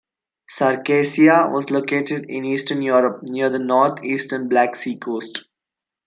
Circassia was located in Eastern Europe, near the northeastern Black Sea coast.